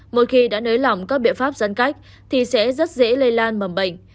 mỗi khi đã nới lỏng các biện pháp giãn cách thì sẽ rất dễ lây lan mầm bệnh